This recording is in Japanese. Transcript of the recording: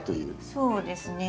そうですね。